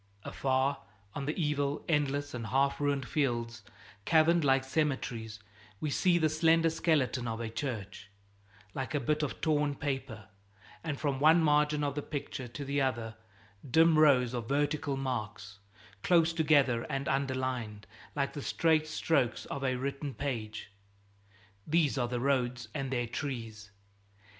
Afar, on the evil, endless, and half ruined fields, caverned like cemeteries, we see the slender skeleton of a church, like a bit of torn paper; and from one margin of the picture to the other, dim rows of vertical marks, close together and underlined, like the straight strokes of a written page these are the roads and their trees.